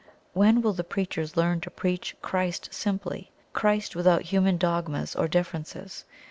When will the preachers learn to preach Christ simply Christ without human dogmas or differences?